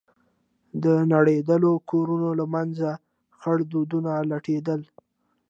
د نړېدلو كورونو له منځه خړ دودونه لټېدل.